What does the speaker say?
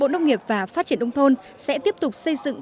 nghiệp và phát triển đông thôn sẽ tiếp tục xây dựng